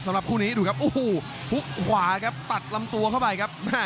สำหรับคู่นี้ดูครับโอ้โหฮุกขวาครับตัดลำตัวเข้าไปครับ